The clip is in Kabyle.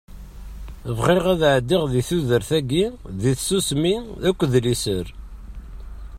Bɣiɣ ad ɛeddiɣ di tudert-agi di tsusmi akked liser.